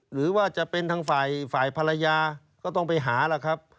หรือว่าจะเป็นทางฝ่ายภรรยาก็ต้องไปหาล่ะครับ